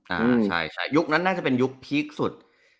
อ่าใช่ใช่ยุคนั้นน่าจะเป็นยุคพีคสุด